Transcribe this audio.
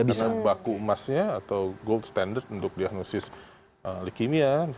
karena baku emasnya atau gold standard untuk diagnosis likimia